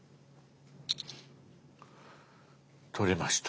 撮れました。